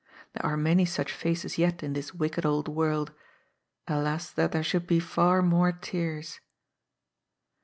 There are many such faces yet in this wicked old world. Alas that there should be far more tears